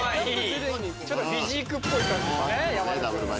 ちょっとフィジークっぽい感じ山田君。